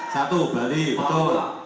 satu bali betul